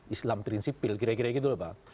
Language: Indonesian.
islam prinsipil kira kira gitu loh pak